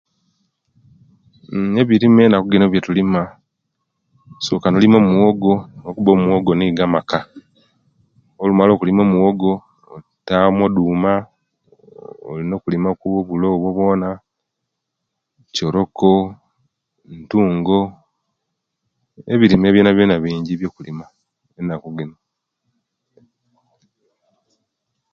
Ebirime ennaku jino ebiyetulima osoka nolima omuwogo lwakuba omuwogo nigo amaka olumala okulima omuwogo no Tami oduma, olina okulima ki obulo onbwo bwona kyoroko ,ntungi ebirime byonabyona bingi ebyokulima enaku gino